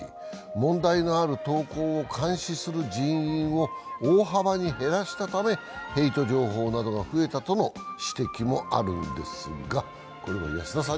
問題のある投稿を監視する人員を大幅に減らしたためヘイト情報などが増えたとの指摘もあるんですが。